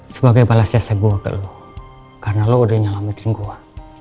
sebagai balas jasa gue ke lo karena lo udah nyelamatin gue